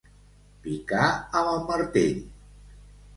Picar amb el martell.